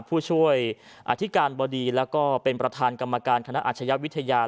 ผู้ช่วยอธิการบดีแล้วก็เป็นประธานกรรมการคณะอาชญาวิทยา